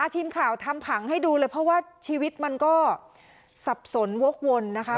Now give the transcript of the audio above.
ทีมข่าวทำผังให้ดูเลยเพราะว่าชีวิตมันก็สับสนวกวนนะคะ